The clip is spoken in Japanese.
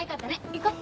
行こう。